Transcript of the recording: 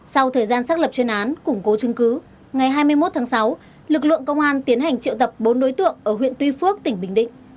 sau thời gian xác lập chuyên án củng cố chứng cứ ngày hai mươi một tháng sáu lực lượng công an tiến hành triệu tập bốn đối tượng ở huyện tuy phước tỉnh bình định